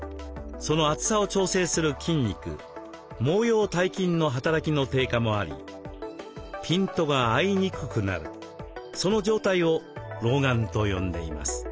その厚さを調整する筋肉毛様体筋の働きの低下もありピントが合いにくくなるその状態を老眼と呼んでいます。